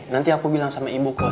nanti aku bilang sama ibuku